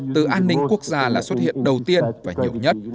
từ an ninh quốc gia là xuất hiện đầu tiên và nhiều nhất